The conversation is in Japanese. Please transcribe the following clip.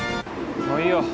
もういいよ。